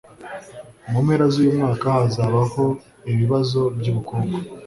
mu mpera zuyu mwaka hazabaho ibibazo byubukungu